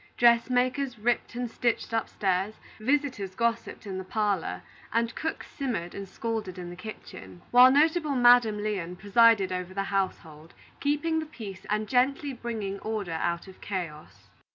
Dressmakers ripped and stitched upstairs, visitors gossiped in the parlor, and cooks simmered and scolded in the kitchen; while notable Madam Lyon presided over the household, keeping the peace and gently bringing order out of chaos.